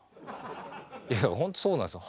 いやほんとそうなんですよ。